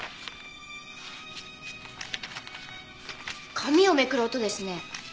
紙をめくる音ですね。